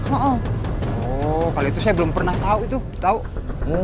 oh kalau itu saya belum pernah tahu itu tahu